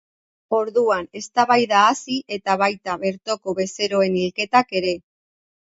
Orduan eztabaida hasi eta baita bertoko bezeroen hilketak ere.